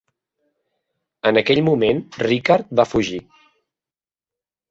En aquell moment, Rickard va fugir.